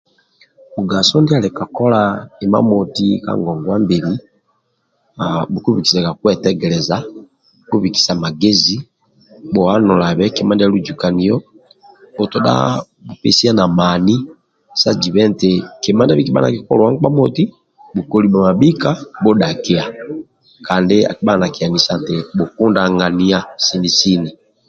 Mugaso ndiali ka kola imamoti ka ngongwabili bhukubikisaga kwetegeleza bhubikisa magezi buhanulabe nkima ndia lujukaniyo butodha bhupesiana mani sa jiba nti kima ndiabikiba nakikolebuwa nkpa moti bhukoli bhamabhika bhudhakiya kansi akibaga nakimanyisa nti bhukundaniya sini sini